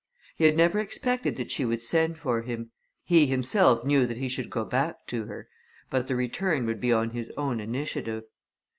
He had never expected that she would send for him he himself knew that he should go back to her, but the return would be on his own initiative.